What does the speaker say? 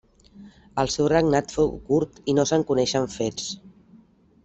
El seu regnat fou curt i no se'n coneixen fets.